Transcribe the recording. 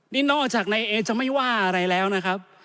นี่นอกจากนายเอจะไม่ว่าอะไรแล้วนะครับ